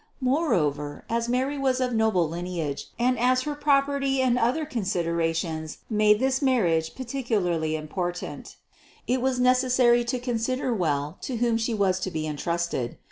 Moreover, as Mary was of noble lineage and as her property and other considerations made this marriage particularly important, it was necessary to con sider well to whom She was to be entrusted.